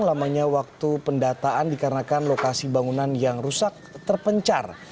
lamanya waktu pendataan dikarenakan lokasi bangunan yang rusak terpencar